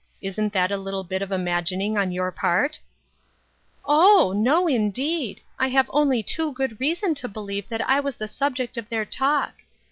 Isn't that a little bit of imagining on your part ?''" Oh ! no, indeed ; I have only too good reason to believe that I was the subject of their talk.